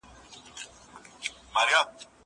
زه اوس قلمان کاروم!